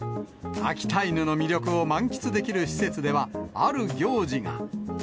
秋田犬の魅力を満喫できる施設では、ある行事が。